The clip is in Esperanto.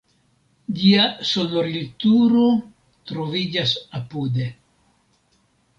Ĝia sonorilturo troviĝas apude.